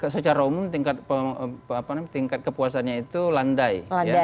secara umum tingkat kepuasannya itu landai